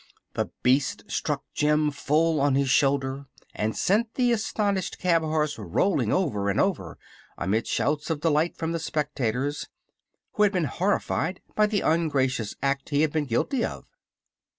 The beast struck Jim full on his shoulder and sent the astonished cab horse rolling over and over, amid shouts of delight from the spectators, who had been horrified by the ungracious act he had been guilty of.